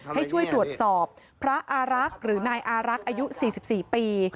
ให้ช่วยตรวจสอบพระอารักษ์หรือนายอารักษ์อายุ๔๔ปี